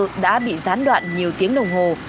nhiều người đã bị gián đoạn nhiều tiếng đồng hồ